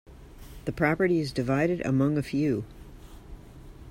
The property is divided among a few.